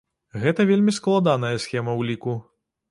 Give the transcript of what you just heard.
Гэта вельмі складаная схема ўліку.